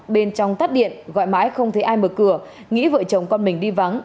bên trong tắt điện gọi mãi không thấy ai mở cửa nghĩ vợ chồng con mình đi vắng